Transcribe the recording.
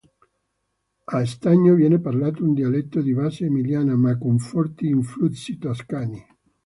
A Stagno viene parlato un dialetto di base emiliana ma con forti influssi toscani.